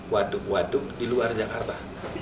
waduk waduk di luar jakarta